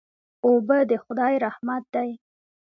اوبه د خدای رحمت دی.